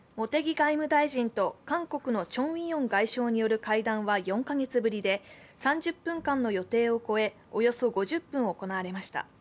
外務大臣と韓国のチョン・ウィヨン外相による会談は４カ月ぶりで３０分間の予定を超えおよそ５０分行われました。